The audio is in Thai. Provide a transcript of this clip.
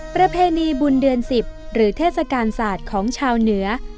ประเพณีบุญเดือน๑๐หรือเทศกาลศาสตร์ของชาวเหนือ